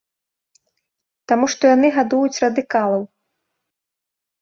Таму што яны гадуюць радыкалаў.